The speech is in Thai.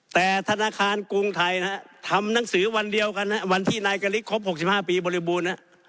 แต่ธนาคารกรุงไทยทำหนังสือวันเดียวกันวันที่นายกริกครบ๖๕ปีบริบูรณ์